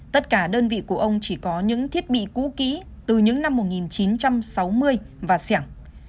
tất cả đơn vị của ông chỉ có những thiết bị cũ kỹ từ những năm một nghìn chín trăm sáu mươi và xẻng